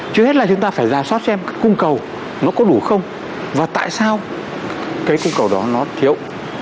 trước hết là chúng ta phải ra soát xem cung cầu nó có đủ không và tại sao cái cung cầu đó nó thiếu